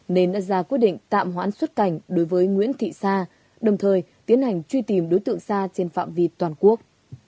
nên đã ra quyết định tạm hoãn xuất cảnh đối với nguyễn thị sa đồng thời tiến hành truy tìm đối tượng xa trên phạm vi toàn quốc